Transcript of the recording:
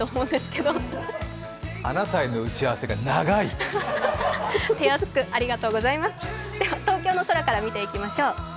では東京の空から見ていきましょう。